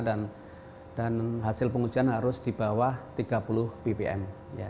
dan hasil pengujian harus di bawah tiga puluh bpm